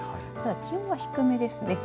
気温は低めですね。